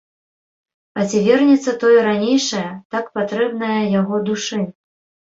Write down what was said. І ці вернецца тое ранейшае, так патрэбнае яго душы?